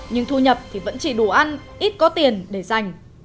nhưng thu nhập thì vẫn chỉ đủ ăn ít có tiền để dành